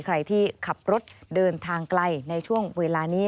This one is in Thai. ใครที่ขับรถเดินทางไกลในช่วงเวลานี้